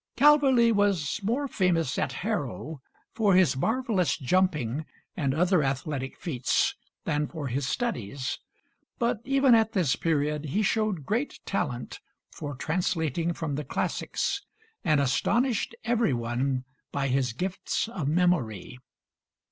Calverley was more famous at Harrow for his marvelous jumping and other athletic feats than for his studies, but even at this period he showed great talent for translating from the classics, and astonished every one by his gifts of memory.